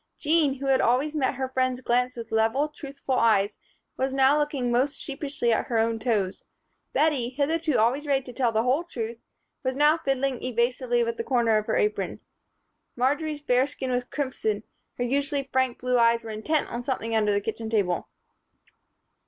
Jean, who had always met her friend's glance with level, truthful eyes, was now looking most sheepishly at her own toes. Bettie, hitherto always ready to tell the whole truth, was now fiddling evasively with the corner of her apron. Marjory's fair skin was crimson; her usually frank blue eyes were intent on something under the kitchen table.